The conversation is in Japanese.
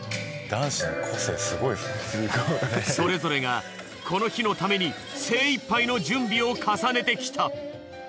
それぞれがこの日のために精いっぱいの準備を重ねてきた。